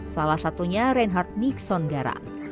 salah satunya reinhardt nixon garak